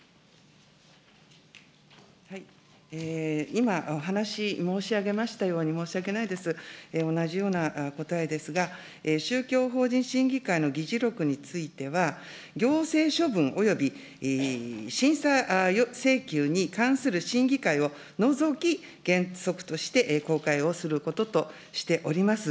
今お話し申し上げましたように、申し訳ないです、同じような答えですが、宗教法人審議会の議事録については、行政処分および審査請求に関する審議会を除き、原則として公開をすることとしております。